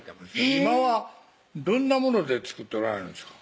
今はどんなもので作っておられるんですか？